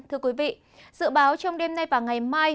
thưa quý vị dự báo trong đêm nay và ngày mai